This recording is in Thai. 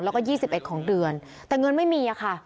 แล้วก็ยี่สิบเอ็ดของเดือนแต่เงินไม่มีอ่ะค่ะ